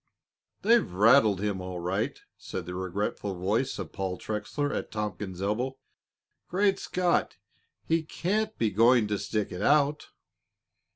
"They've rattled him, all right," said the regretful voice of Paul Trexler at Tompkins's elbow. "Great Scott! He can't be going to stick it out!"